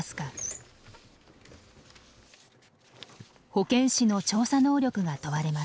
保健師の調査能力が問われます。